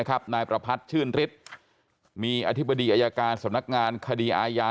นายประพัทธ์ชื่นฤทธิ์มีอธิบดีอายการสำนักงานคดีอาญา